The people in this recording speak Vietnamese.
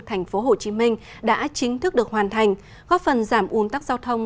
thành phố hồ chí minh đã chính thức được hoàn thành góp phần giảm un tắc giao thông